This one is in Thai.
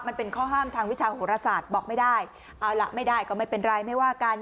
มันเป็นข้อห้ามทางวิชาโหรศาสตร์บอกไม่ได้เอาล่ะไม่ได้ก็ไม่เป็นไรไม่ว่ากัน